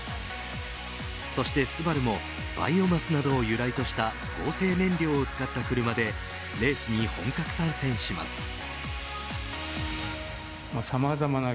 そしてスバルもバイオマスなどを由来とした合成燃料を使った車でレースに本格参戦します。